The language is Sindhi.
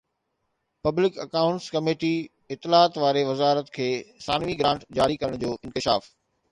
پبلڪ اڪائونٽس ڪميٽي اطلاعات واري وزارت کي ثانوي گرانٽ جاري ڪرڻ جو انڪشاف